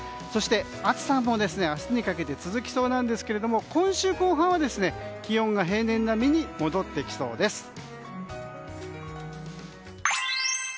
そして暑さも明日にかけて続きそうなんですが今週後半は気温が平年並みに戻ってきそうです。